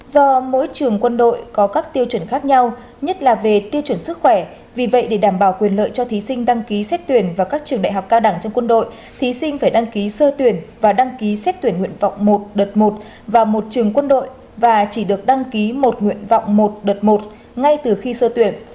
do mỗi trường quân đội có các tiêu chuẩn khác nhau nhất là về tiêu chuẩn sức khỏe vì vậy để đảm bảo quyền lợi cho thí sinh đăng ký xét tuyển vào các trường đại học cao đẳng trong quân đội thí sinh phải đăng ký sơ tuyển và đăng ký xét tuyển nguyện vọng một đợt một vào một trường quân đội và chỉ được đăng ký một nguyện vọng một đợt một ngay từ khi sơ tuyển